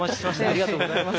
ありがとうございます。